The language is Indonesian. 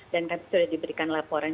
dan kami sudah diberikan laporan